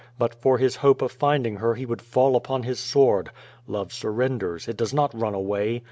But for his hope of finding her he would fall upon his sword. Love surrenders, it does not run away.